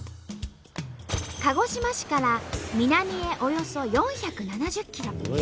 鹿児島市から南へおよそ４７０ｋｍ。